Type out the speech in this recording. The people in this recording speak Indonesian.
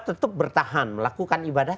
tetap bertahan melakukan ibadah